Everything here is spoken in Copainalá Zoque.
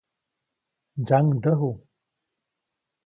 Ntsyaŋdäju.